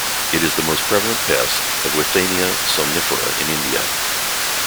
It is the most prevalent pest of "Withania somnifera" in India.